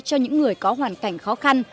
cho những người có hoàn cảnh khó khăn